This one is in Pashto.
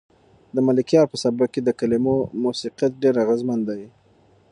د ملکیار په سبک کې د کلمو موسیقیت ډېر اغېزمن دی.